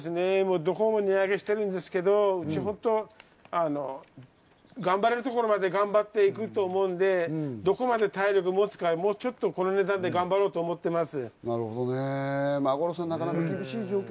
どこも値上げしてるんですけど、ちょっと、頑張れるところまで頑張っていくと思っているので、どこまで体力が持つか、もうちょっと、この値段で頑張ろうと思っています。